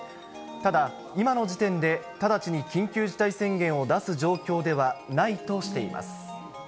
ただ、今の時点で直ちに緊急事態宣言を出す状況ではないとしています。